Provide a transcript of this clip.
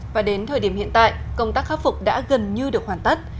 và đến thời điểm hiện tại công tác khắc phục đã gần như được hoàn tất